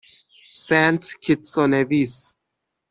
سنت کیتس و نویس